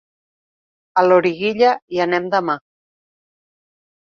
A Loriguilla hi anem demà.